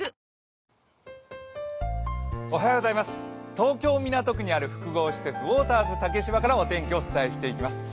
東京・港区にある複合施設、ウォーターズ竹芝からお伝えします。